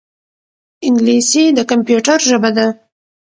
انګلیسي د کمپیوټر ژبه ده